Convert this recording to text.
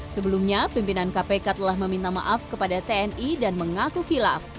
sebelumnya pimpinan kpk telah meminta maaf kepada tni dan mengaku kilaf